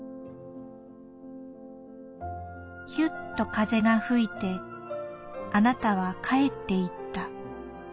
「ひゅっと風が吹いてあなたは帰っていった。